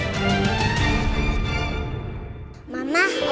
cuma kamu pikir deh